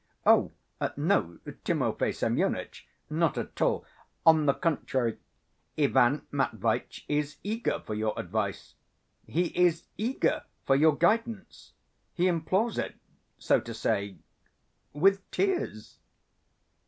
"Oh, no, Timofey Semyonitch, not at all. On the contrary, Ivan Matveitch is eager for your advice; he is eager for your guidance. He implores it, so to say, with tears."